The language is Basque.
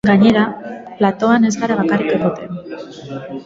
Gainera, platoan ez gara bakarrik egoten.